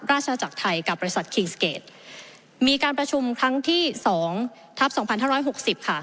ราชจักรไทยกับบริษัทคิงสเกจมีการประชุมครั้งที่สองทัพสองพันห้าร้อยหกสิบค่ะ